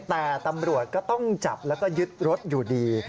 แต่ตำรวจก็ต้องจับแล้วก็ยึดรถอยู่ดี